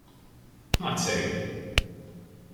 Nagyszerű!